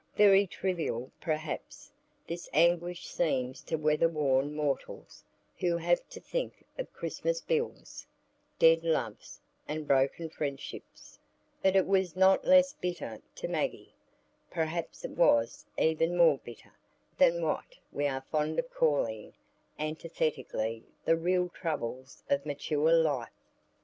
Very trivial, perhaps, this anguish seems to weather worn mortals who have to think of Christmas bills, dead loves, and broken friendships; but it was not less bitter to Maggie—perhaps it was even more bitter—than what we are fond of calling antithetically the real troubles of mature life.